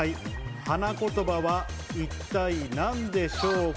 花言葉は一体何でしょうか？